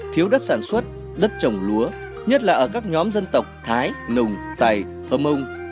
thiếu đất sản xuất đất trồng lúa nhất là ở các nhóm dân tộc thái nùng tày hơ mông